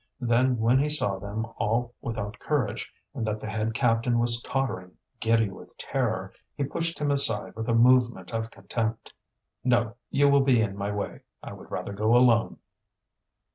Then, when he saw them all without courage, and that the head captain was tottering, giddy with terror, he pushed him aside with a movement of contempt. "No, you will be in my way. I would rather go alone."